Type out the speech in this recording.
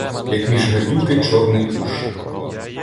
Як між гадюки чорний уж.